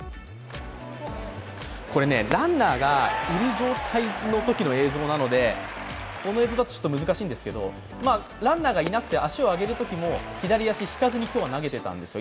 ランナーがいる状態のときの映像なのでこの映像だとちょっと難しいんですけどランナーがいなくて、足を上げるときも左足を引かずに今日は投げていたんですよ。